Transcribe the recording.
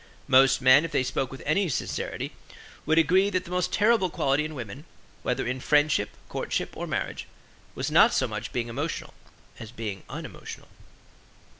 Most men if they spoke with any sincerity would agree that the most terrible quality in women, whether in friendship, courtship or marriage, was not so much being emotional as being unemotional.